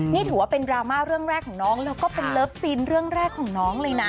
นี่ถือว่าเป็นดราม่าเรื่องแรกของน้องแล้วก็เป็นเลิฟซีนเรื่องแรกของน้องเลยนะ